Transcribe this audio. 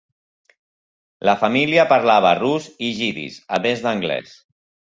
La família parlava rus i jiddisch, a més d'anglès.